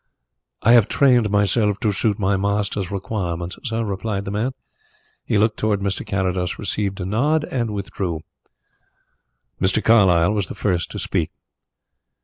"I have trained myself to suit my master's requirements, sir," replied the man. He looked towards Mr. Carrados, received a nod and withdrew. Mr. Carlyle was the first to speak.